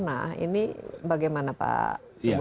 nah ini bagaimana pak